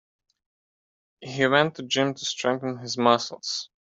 He went to gym to strengthen his muscles.